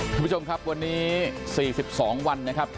คุณผู้ชมครับวันนี้๔๒วันนะครับ